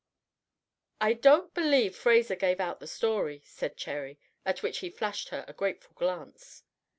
"I don't believe Fraser gave out the story," said Cherry, at which he flashed her a grateful glance.